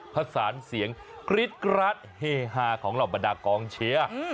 ผสานเสียงกรี๊ดกราดเฮฮาของเหล่าบรรดากองเชียร์